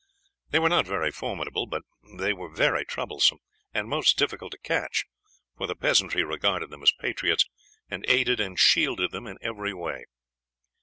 They were not very formidable, but they were very troublesome, and most difficult to catch, for the peasantry regarded them as patriots, and aided and shielded them in every way.